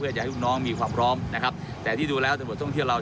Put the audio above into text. จะให้ลูกน้องมีความพร้อมนะครับแต่ที่ดูแล้วตำรวจท่องเที่ยวเรา